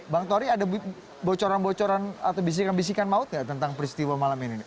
bang tori ada bocoran bocoran atau bisikan bisikan maut nggak tentang peristiwa malam ini